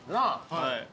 はい。